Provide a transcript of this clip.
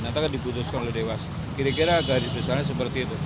nanti akan dibutuhkan oleh dewas kira kira agar disesuai seperti itu